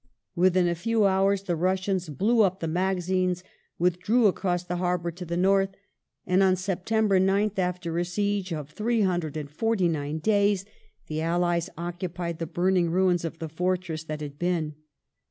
Within a few hours the Russians blew up the magazines, withdrew across the harbour to the north, and on Sep tember 9th, after a siege of 349 days, the allies occupied the burn ing ruins of the fortress that had been.